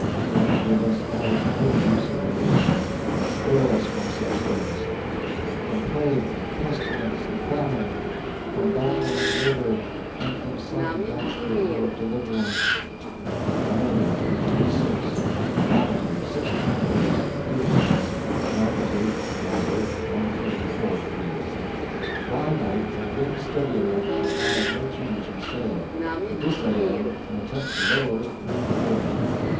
God give us all full use of our reason, and spare us from such things! 'From plague, pestilence, and famine; from battle and murder, and from sudden death, good Lord, deliver us!' (Diary entry) June 6. Latitude 16 degrees 30 minutes, longitude (chron.) 134 degrees. Dry night and wind steady enough to require no change in sail; but this A.M. an attempt to lower it proved abortive.